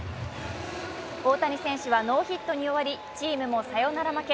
大谷選手はノーヒットに終わりチームもサヨナラ負け。